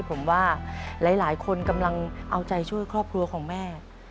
ผมว่าหลายคนกำลังเอาใจช่วยครอบครัวของแม่